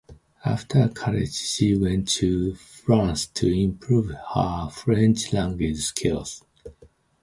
After college she went to France to improve her French language skills.